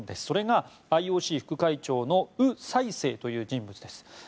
それがＩＯＣ副会長のウ・サイセイという人物です。